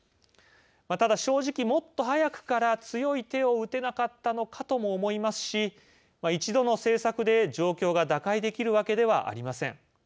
ただ、正直もっと早くから強い手を打てなかったのかとも思いますし、一度の政策で状況が打開できるわけではありません。